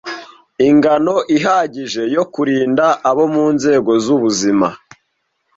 ingano ihagije yo kurinda abo mu nzego z'ubuzima.